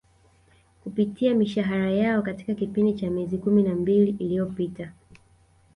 kupitia mishahara yao katika kipindi cha miezi kumi na mbili iliopita